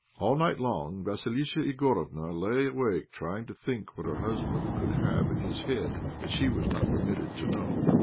All night long Vassilissa Igorofna lay awake trying to think what her husband could have in his head that she was not permitted to know.